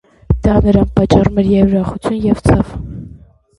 Դա նրան պատճառում է և՛ ուրախություն, և՛ ցավ։